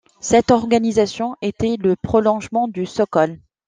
Cette organisation était le prolongement du Sokol.